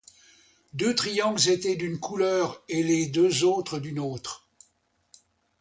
Deux triangles étaient d'une couleur et les deux autres d'une autre.